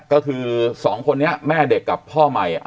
ก็คือสองคนนี้แม่เด็กกับพ่อใหม่